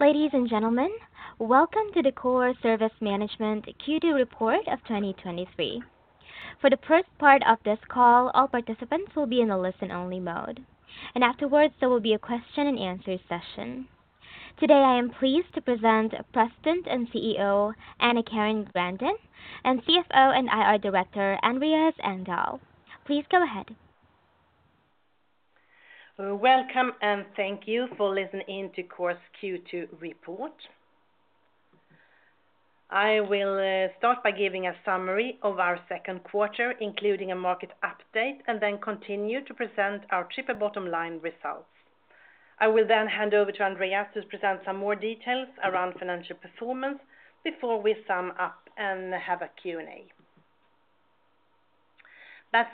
Ladies and gentlemen, welcome to the Coor Service Management Q2 report of 2023. For the first part of this call, all participants will be in a listen-only mode, and afterwards, there will be a question and answer session. Today, I am pleased to present President and CEO, AnnaCarin Grandin, and CFO and IR Director, Andreas Engdahl. Please go ahead. Welcome, and thank you for listening in to Coor's Q2 report. I will start by giving a summary of our Q2, including a market update, and then continue to present our triple bottom line results. I will then hand over to Andreas to present some more details around financial performance before we sum up and have a Q&A.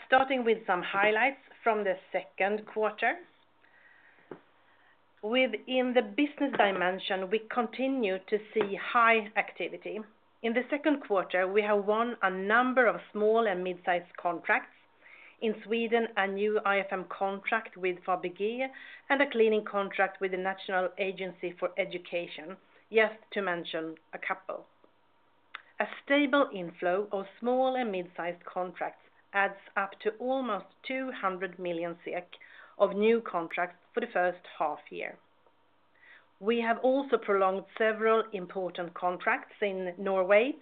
Starting with some highlights from the Q2. Within the business dimension, we continue to see high activity. In the Q2, we have won a number of small and mid-sized contracts. In Sweden, a new IFM contract with Fabege, and a cleaning contract with the National Agency for Education, just to mention a couple. A stable inflow of small and mid-sized contracts adds up to almost 200 million SEK of new contracts for the H1 year. We have also prolonged several important contracts in Norway.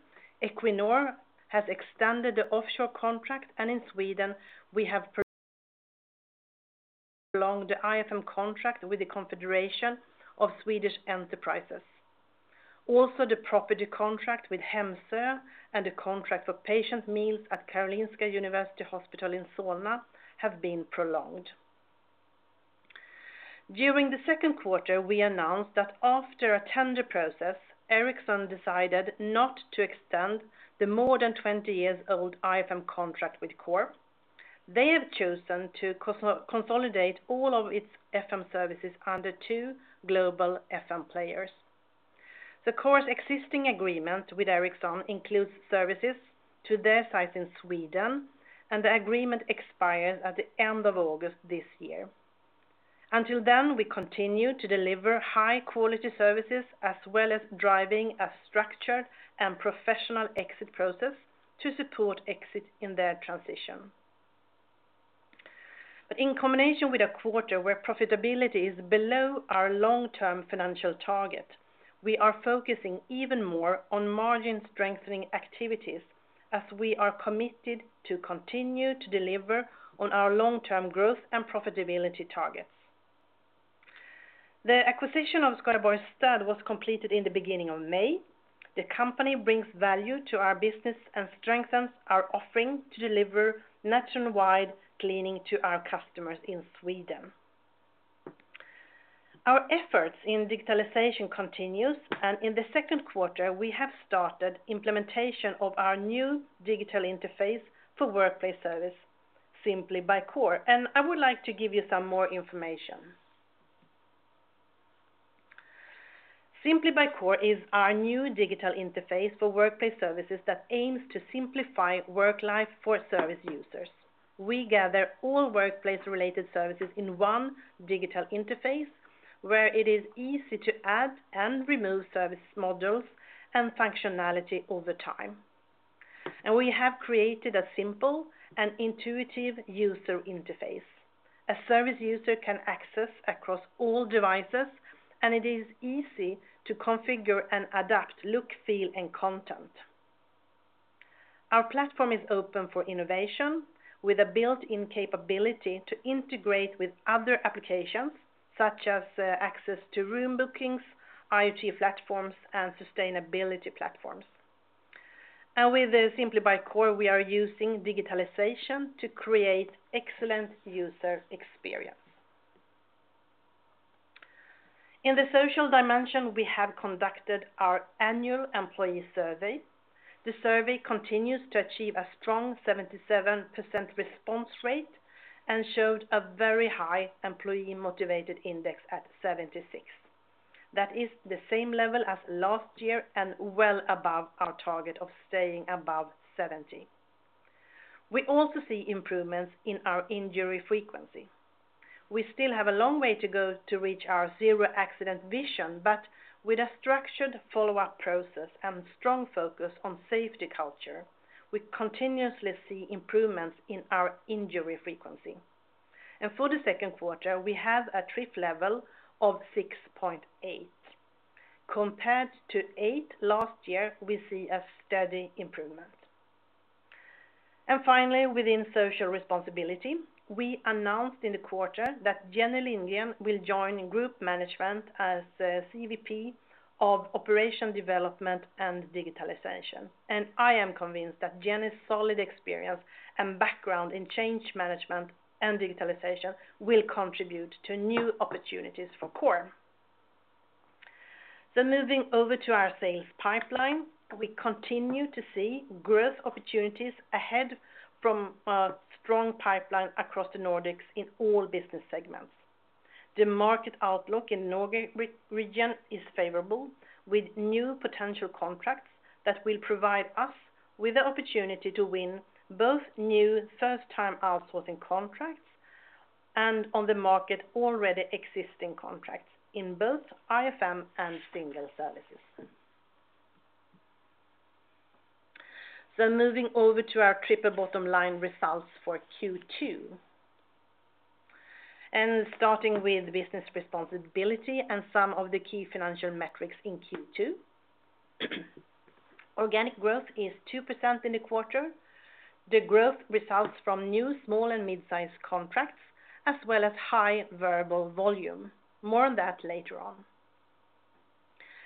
Equinor has extended the offshore contract. In Sweden, we have prolonged the IFM contract with the Confederation of Swedish Enterprise. Also, the property contract with Hemsö and the contract for patient meals at Karolinska University Hospital in Solna have been prolonged. During the Q2, we announced that after a tender process, Ericsson decided not to extend the more than 20-years-old IFM contract with Coor. They have chosen to consolidate all of its FM services under two global FM players. The Coor's existing agreement with Ericsson includes services to their sites in Sweden, and the agreement expires at the end of August this year. Until then, we continue to deliver high-quality services, as well as driving a structured and professional exit process to support exit in their transition. In combination with a quarter where profitability is below our long-term financial target, we are focusing even more on margin-strengthening activities as we are committed to continue to deliver on our long-term growth and profitability targets. The acquisition of Skaraborgs Städ was completed in the beginning of May. The company brings value to our business and strengthens our offering to deliver nationwide cleaning to our customers in Sweden. Our efforts in digitalization continues, and in the Q2, we have started implementation of our new digital interface for workplace service, Simply by Coor, and I would like to give you some more information. Simply by Coor is our new digital interface for workplace services that aims to simplify work life for service users. We gather all workplace-related services in one digital interface, where it is easy to add and remove service modules and functionality over time. We have created a simple and intuitive user interface. A service user can access across all devices, and it is easy to configure and adapt look, feel, and content. Our platform is open for innovation, with a built-in capability to integrate with other applications, such as access to room bookings, IoT platforms, and sustainability platforms. With the Simply by Coor, we are using digitalization to create excellent user experience. In the social dimension, we have conducted our annual employee survey. The survey continues to achieve a strong 77% response rate and showed a very high Employee Motivation Index at 76. That is the same level as last year and well above our target of staying above 70. We also see improvements in our injury frequency. We still have a long way to go to reach our zero accident vision, but with a structured follow-up process and strong focus on safety culture, we continuously see improvements in our injury frequency. For the Q2, we have a trip level of 6.8. Compared to 8 last year, we see a steady improvement. Finally, within social responsibility, we announced in the quarter that Jenny Lindén will join Group Management as CVP of Operation Development and Digitalization. I am convinced that Jenny's solid experience and background in change management and digitalization will contribute to new opportunities for Coor. Moving over to our sales pipeline, we continue to see growth opportunities ahead from a strong pipeline across the Nordics in all business segments. The market outlook in Norway is favorable, with new potential contracts that will provide us with the opportunity to win both new first-time outsourcing contracts and on the market already existing contracts in both IFM and single services. Moving over to our triple bottom line results for Q2. Starting with business responsibility and some of the key financial metrics in Q2. Organic growth is 2% in the quarter. The growth results from new small and mid-sized contracts, as well as high variable volume. More on that later on.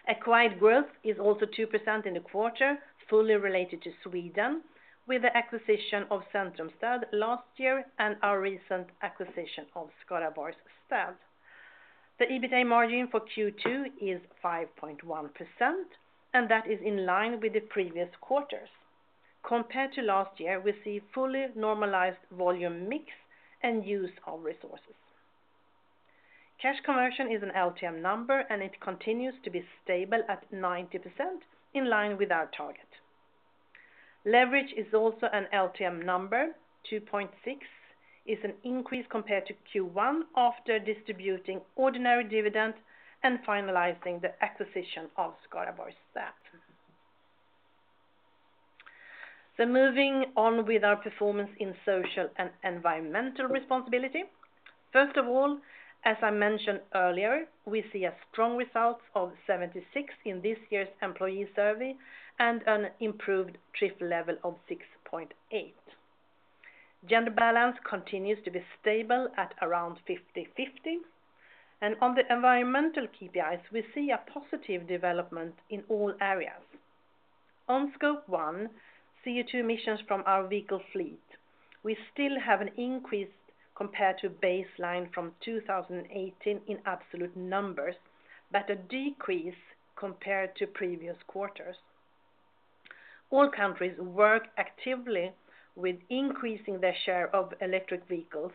Acquired growth is also 2% in the quarter, fully related to Sweden, with the acquisition of Centrumstäd last year and our recent acquisition of Skaraborgs Städ. The EBITA margin for Q2 is 5.1%, that is in line with the previous quarters. Compared to last year, we see fully normalized volume mix and use of resources. Cash conversion is an LTM number, and it continues to be stable at 90% in line with our target. Leverage is also an LTM number, 2.6 is an increase compared to Q1 after distributing ordinary dividend and finalizing the acquisition of Skaraborgs Städ. Moving on with our performance in social and environmental responsibility. First of all, as I mentioned earlier, we see a strong result of 76 in this year's employee survey and an improved trip level of 6.8. Gender balance continues to be stable at around 50/50, and on the environmental KPIs, we see a positive development in all areas. On Scope 1, CO2 emissions from our vehicle fleet, we still have an increase compared to baseline from 2018 in absolute numbers. A decrease compared to previous quarters. All countries work actively with increasing their share of electric vehicles,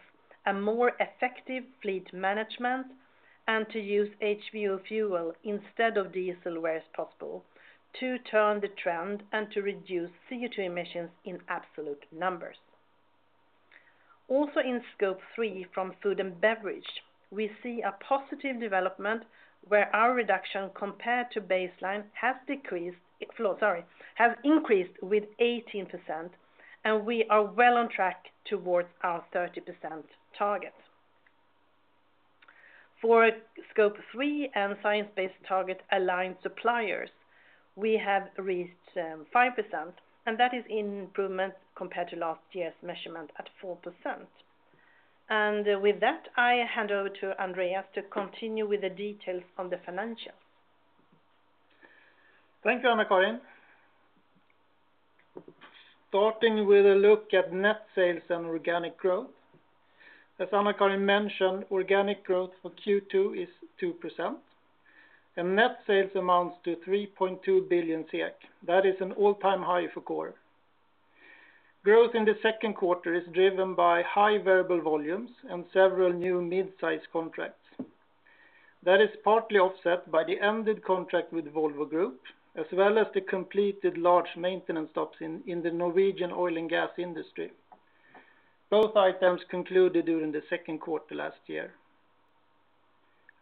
a more effective fleet management, and to use HVO fuel instead of diesel where as possible, to turn the trend and to reduce CO2 emissions in absolute numbers. In Scope 3, from food and beverage, we see a positive development where our reduction compared to baseline has increased with 18%, and we are well on track towards our 30% target. For Scope 3 and science-based target aligned suppliers, we have reached 5%. That is improvement compared to last year's measurement at 4%. With that, I hand over to Andreas to continue with the details on the financials. Thank you, Annacarin. Starting with a look at net sales and organic growth. As Annacarin mentioned, organic growth for Q2 is 2%, and net sales amounts to 3.2 billion SEK. That is an all-time high for Coor. Growth in the Q2 is driven by high variable volumes and several new mid-sized contracts. That is partly offset by the ended contract with Volvo Group, as well as the completed large maintenance stops in the Norwegian oil and gas industry. Both items concluded during the Q2 last year.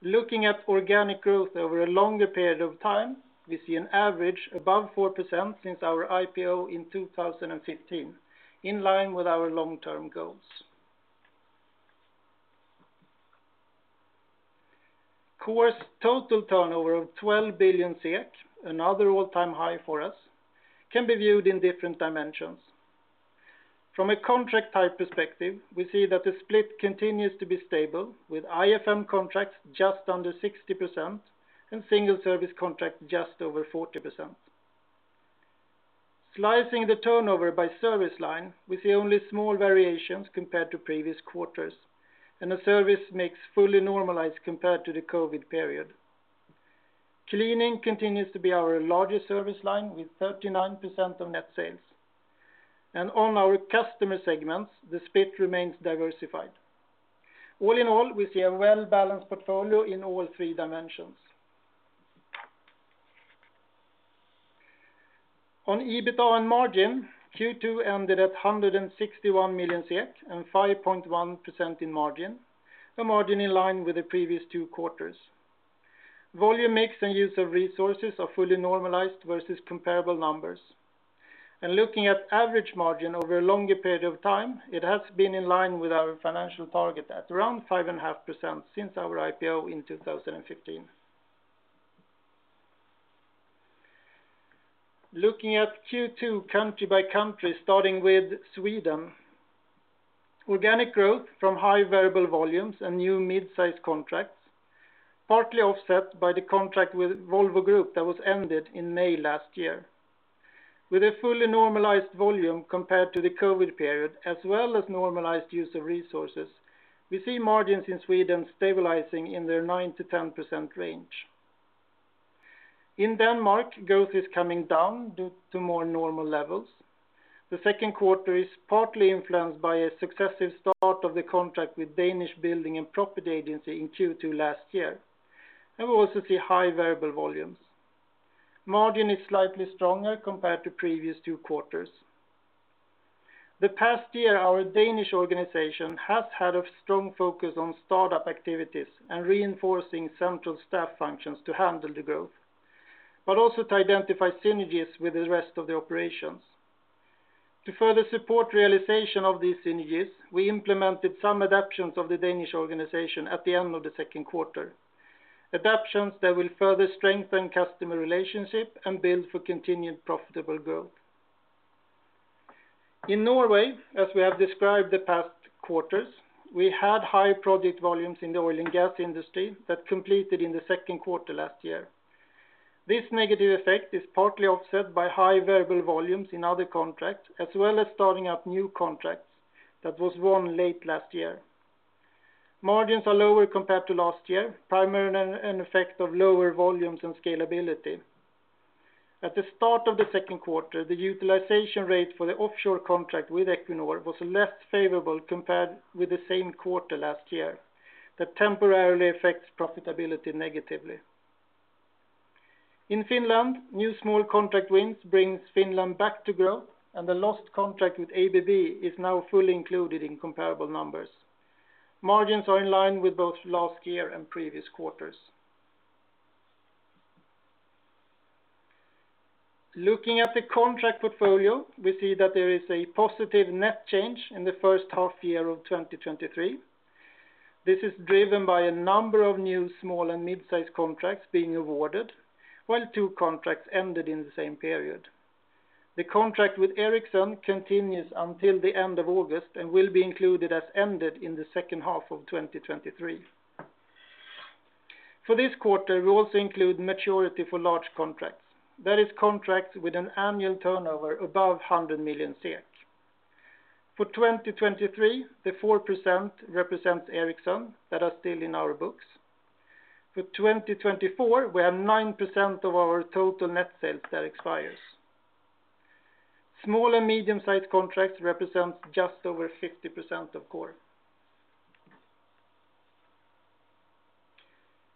Looking at organic growth over a longer period of time, we see an average above 4% since our IPO in 2015, in line with our long-term goals. Coor's total turnover of 12 billion SEK, another all-time high for us, can be viewed in different dimensions. From a contract type perspective, we see that the split continues to be stable, with IFM contracts just under 60% and single service contract just over 40%. Slicing the turnover by service line, we see only small variations compared to previous quarters, and the service makes fully normalized compared to the COVID period. Cleaning continues to be our largest service line, with 39% of net sales. On our customer segments, the split remains diversified. All in all, we see a well-balanced portfolio in all three dimensions. On EBITA and margin, Q2 ended at 161 million SEK and 5.1% in margin, a margin in line with the previous two quarters. Volume mix and use of resources are fully normalized versus comparable numbers. Looking at average margin over a longer period of time, it has been in line with our financial target at around 5.5% since our IPO in 2015. Looking at Q2 country by country, starting with Sweden. Organic growth from high variable volumes and new mid-sized contracts, partly offset by the contract with Volvo Group that was ended in May last year. With a fully normalized volume compared to the COVID period, as well as normalized use of resources, we see margins in Sweden stabilizing in their 9%-10% range. In Denmark, growth is coming down due to more normal levels. The Q2 is partly influenced by a successive start of the contract with Danish Building and Property Agency in Q2 last year, and we also see high variable volumes. Margin is slightly stronger compared to previous two quarters. The past year, our Danish organization has had a strong focus on startup activities and reinforcing central staff functions to handle the growth, also to identify synergies with the rest of the operations. To further support realization of these synergies, we implemented some adaptations of the Danish organization at the end of the Q2. Adaptations that will further strengthen customer relationship and build for continued profitable growth. In Norway, as we have described the past quarters, we had high project volumes in the oil and gas industry that completed in the Q2 last year. This negative effect is partly offset by high variable volumes in other contracts, as well as starting up new contracts that was won late last year. Margins are lower compared to last year, primarily an effect of lower volumes and scalability. At the start of the Q2, the utilization rate for the offshore contract with Equinor was less favorable compared with the same quarter last year, that temporarily affects profitability negatively. In Finland, new small contract wins brings Finland back to growth. The lost contract with ABB is now fully included in comparable numbers. Margins are in line with both last year and previous quarters. Looking at the contract portfolio, we see that there is a positive net change in the H1 year of 2023. This is driven by a number of new small and mid-sized contracts being awarded, while two contracts ended in the same period. The contract with Ericsson continues until the end of August and will be included as ended in the H2 of 2023. For this quarter, we also include maturity for large contracts. That is contracts with an annual turnover above 100 million SEK. For 2023, the 4% represents Ericsson that are still in our books. For 2024, we have 9% of our total net sales that expires. Small and medium-sized contracts represents just over 50%, of course.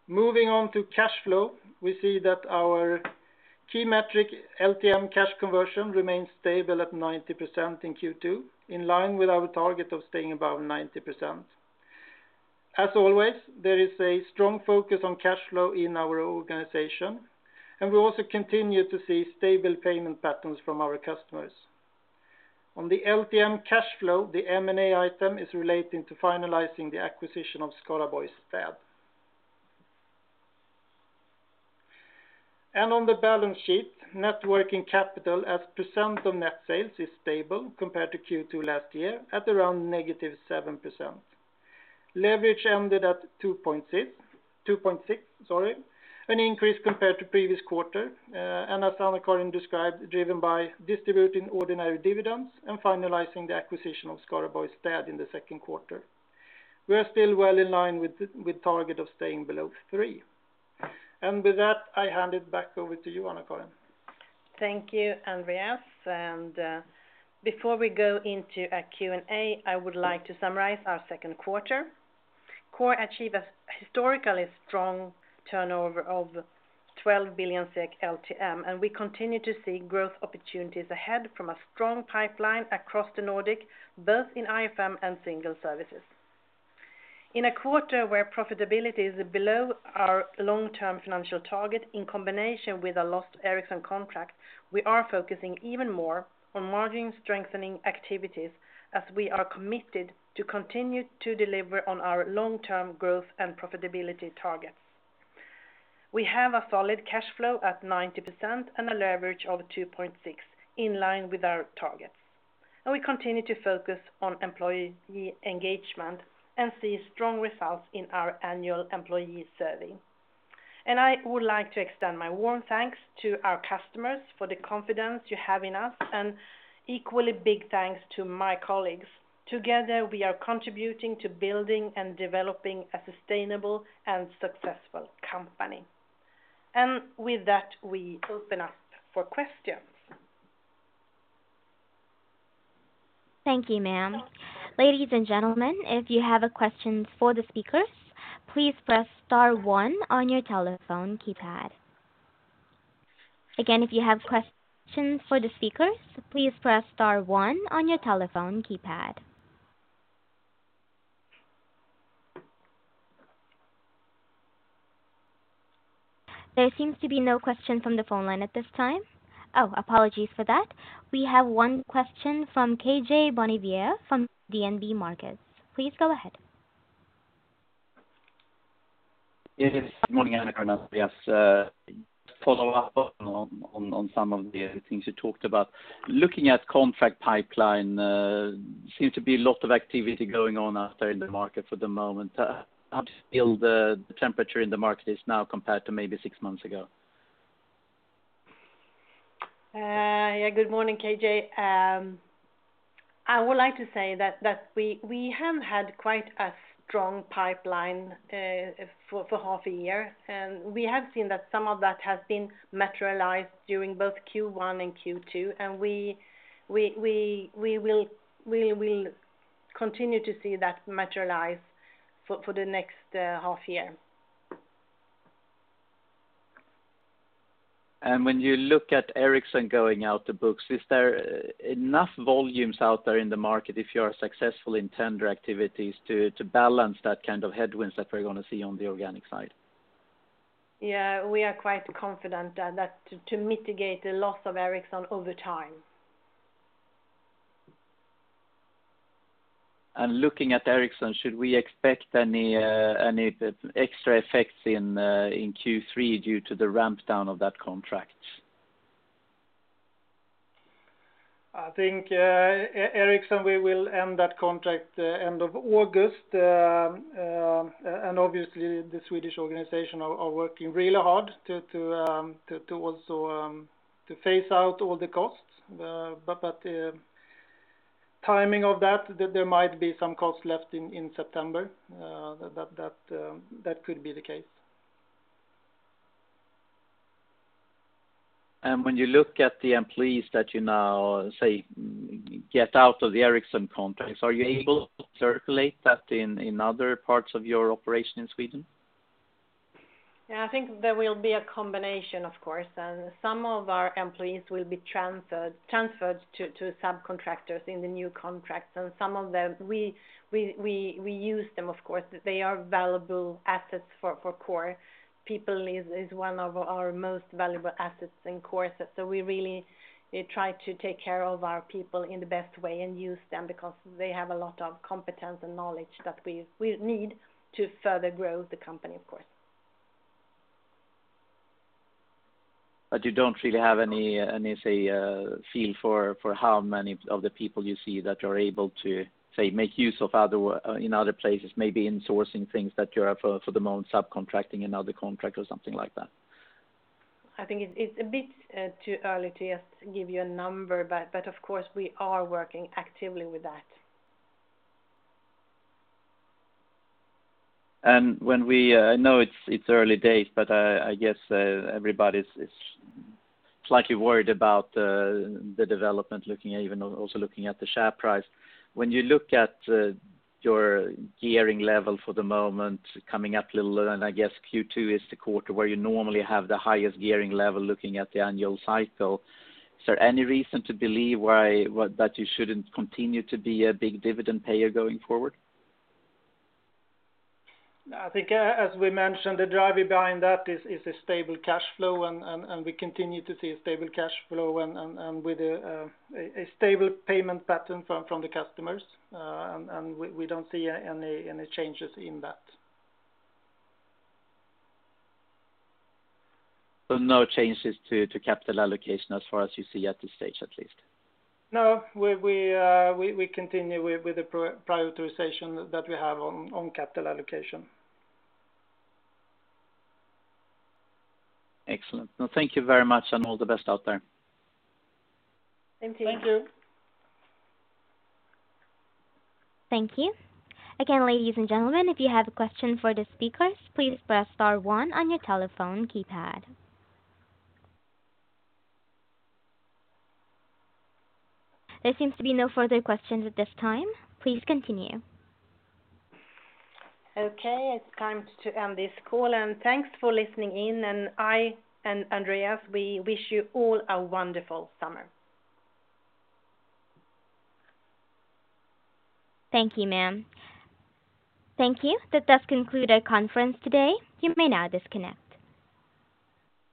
Moving on to cash flow, we see that our key metric, LTM cash conversion, remains stable at 90% in Q2, in line with our target of staying above 90%. As always, there is a strong focus on cash flow in our organization, and we also continue to see stable payment patterns from our customers. On the LTM cash flow, the M&A item is relating to finalizing the acquisition of Skaraborgs Städ. On the balance sheet, networking capital, as percent of net sales, is stable compared to Q2 last year, at around negative 7%. Leverage ended at 2.6, sorry, an increase compared to previous quarter, and as AnnaKarin described, driven by distributing ordinary dividends and finalizing the acquisition of Skaraborgs Städ in the Q2. We are still well in line with target of staying below 3. With that, I hand it back over to you, AnnaKarin. Thank you, Andreas, and before we go into a Q&A, I would like to summarize our Q2. Coor achieved a historically strong turnover of 12 billion SEK LTM, and we continue to see growth opportunities ahead from a strong pipeline across the Nordic, both in IFM and single services. In a quarter where profitability is below our long-term financial target, in combination with a lost Ericsson contract, we are focusing even more on margin strengthening activities, as we are committed to continue to deliver on our long-term growth and profitability targets. We have a solid cash flow at 90% and a leverage of 2.6, in line with our targets. We continue to focus on employee engagement and see strong results in our annual employee survey. I would like to extend my warm thanks to our customers for the confidence you have in us, and equally big thanks to my colleagues. Together, we are contributing to building and developing a sustainable and successful company. With that, we open up for questions. Thank you, ma'am. Ladies and gentlemen, if you have a question for the speakers, please press star one on your telephone keypad. Again, if you have questions for the speakers, please press star one on your telephone keypad. There seems to be no question from the phone line at this time. Oh, apologies for that. We have one question from KJ Bonnevier from DNB Markets. Please go ahead. Good morning, AnnaKarin and Andreas. Follow up on some of the things you talked about. Looking at contract pipeline, seems to be a lot of activity going on out there in the market for the moment. How do you feel the temperature in the market is now compared to maybe six months ago? Yeah, good morning, KJ. I would like to say that we have had quite a strong pipeline for half a year, and we have seen that some of that has been materialized during both Q1 and Q2, and we will continue to see that materialize for the next half year. When you look at Ericsson going out the books, is there enough volumes out there in the market if you are successful in tender activities to balance that kind of headwinds that we're going to see on the organic side? We are quite confident that to mitigate the loss of Ericsson over time. Looking at Ericsson, should we expect any extra effects in Q3 due to the ramp down of that contract? I think, Ericsson, we will end that contract, end of August. Obviously, the Swedish organization are working really hard to also phase out all the costs. Timing of that, there might be some costs left in September, that could be the case. When you look at the employees that you now, say, get out of the Ericsson contracts, are you able to circulate that in other parts of your operation in Sweden? I think there will be a combination, of course. Some of our employees will be transferred to subcontractors in the new contracts. Some of them, we use them, of course. They are valuable assets for Coor. People is one of our most valuable assets in Coor. We really try to take care of our people in the best way and use them because they have a lot of competence and knowledge that we need to further grow the company, of course. You don't really have any, say, feel for how many of the people you see that you're able to, say, make use of other in other places, maybe in sourcing things that you are for the moment, subcontracting another contract or something like that? I think it's a bit too early to just give you a number, but of course, we are working actively with that. When we, I know it's early days, but I guess everybody's slightly worried about the development, looking at even, also looking at the share price. When you look at your gearing level for the moment, coming up a little, and I guess Q2 is the quarter where you normally have the highest gearing level, looking at the annual cycle, is there any reason to believe why, what, that you shouldn't continue to be a big dividend payer going forward? I think, as we mentioned, the driver behind that is a stable cash flow, and we continue to see a stable cash flow and with a stable payment pattern from the customers, and we don't see any changes in that. No changes to capital allocation as far as you see at this stage, at least? No, we continue with the prioritization that we have on capital allocation. Excellent. Now, thank you very much, and all the best out there. Thank you. Thank you. Thank you. Again, ladies and gentlemen, if you have a question for the speakers, please press star one on your telephone keypad. There seems to be no further questions at this time. Please continue. Okay, it's time to end this call, and thanks for listening in, and I and Andreas, we wish you all a wonderful summer. Thank you, ma'am. Thank you. That does conclude our conference today. You may now disconnect.